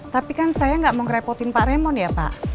tapi kan saya nggak mau ngerepotin pak remon ya pak